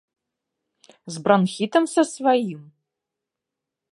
З бранхітам са сваім?